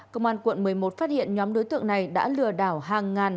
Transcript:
công an quận một mươi một phát hiện nhóm đối tượng này đã lừa đảo hàng ngàn